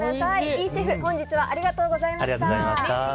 イシェフ本日はありがとうございました。